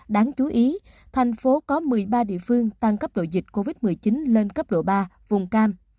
đáng chú ý thành phố có một mươi ba địa phương tăng cấp độ dịch covid một mươi chín lên cấp độ ba vùng cam